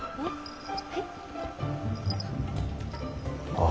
はい。